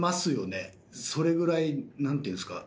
それぐらい何ていうんすか。